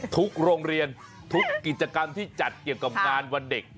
ทุกโรงเรียนทุกกิจกรรมที่จัดเกี่ยวกับงานวันเด็ก